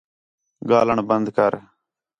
ڳاہلݨ بند کر